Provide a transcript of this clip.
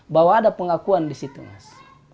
bahwa ada pengakuan di situ mas